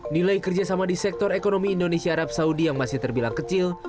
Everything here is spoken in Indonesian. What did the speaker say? nilai kerjasama di sektor ekonomi indonesia arab saudi yang masih terbilang kecil